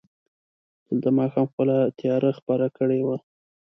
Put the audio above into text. دلته ماښام خپله تياره خپره کړې وه.